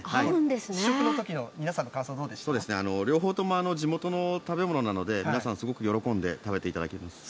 試食のときの皆さんの感想、どう両方とも地元の食べ物なので、皆さん、すごく喜んで食べていただけました。